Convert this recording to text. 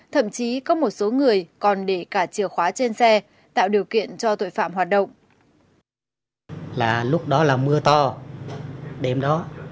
thậm chí có một số người còn để cả chìa khóa trên xe tạo điều kiện cho tội phạm hoạt động